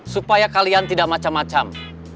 supaya kalian tidak macam macam